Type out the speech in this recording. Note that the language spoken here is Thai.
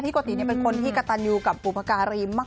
พี่โกติเป็นคนที่กระตันอยู่กับอุปการณ์รีม